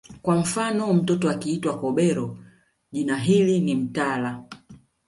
Kwa mfano mtoto akiitwa Kobero jina hili ni mtala